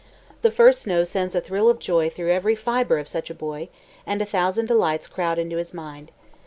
The first snow sends a thrill of joy through every fibre of such a boy, and a thousand delights crowd into his mind.